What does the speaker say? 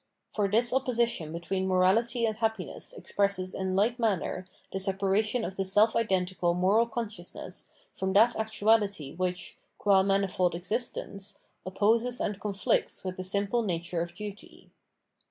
For this opposition between morahty and happiness expresses in like manner the separation of the self identical moral consciousness from that actuality which, qua manifold existence, opposes and conflicts with the simple nature of duty.